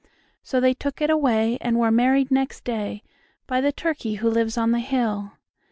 So they took it away, and were married next day By the Turkey who lives on the hill.